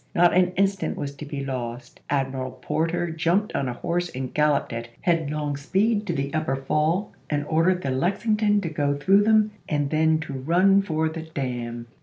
Not an instant was to be lost. Ad miral Porter jumped on a horse and galloped at headlong speed to the upper fall and ordered the Lexington to go through them and then to run for the dam.